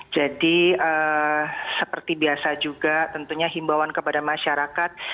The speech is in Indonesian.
jadi seperti biasa juga tentunya himbauan kepada masyarakat